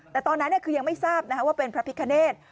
แต่ตอนนั้นคือยังไม่ทราบว่าเป็นพระพิคเนธ